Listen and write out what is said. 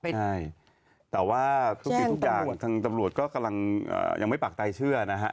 ใช่แต่ว่าทุกทีทุกอย่างทางตำรวจก็กำลัง